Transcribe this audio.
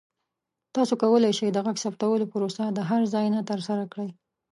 تاسو کولی شئ د غږ ثبتولو پروسه د هر ځای نه ترسره کړئ.